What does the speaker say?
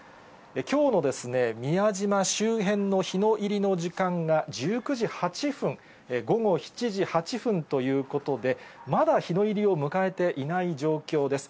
きょうの宮島周辺の日の入りの時間が１９時８分、午後７時８分ということで、まだ日の入りを迎えていない状況です。